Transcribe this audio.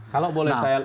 kalau boleh saya